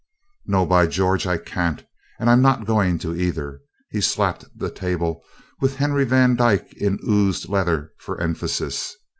"No, by George, I can't! And I'm not going to either." He slapped the table with Henry Van Dyke in ooze leather for emphasis.